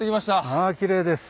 ああきれいです。